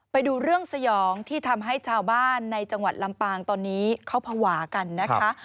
ไปดูเรื่องสยองที่ทำให้ชาวบ้านในจังหวัดลำปางตอนนี้เขาภาวะกันนะคะ